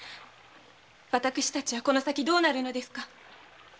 私たちはこの先どうなるのですか？